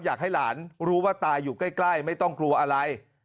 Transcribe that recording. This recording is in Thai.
อยากให้หลานรู้ว่าตายอยู่ใกล้ไม่ต้องกลัวอะไร